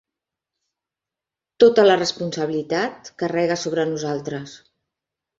Tota la responsabilitat carrega sobre nosaltres.